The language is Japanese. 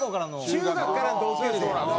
中学からの同級生？